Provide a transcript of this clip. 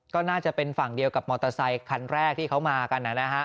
ก็น่าจะเป็นฝั่งเดียวกับมอเตอร์ไซคันแรกที่เขามากันนะฮะ